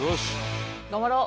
頑張ろう。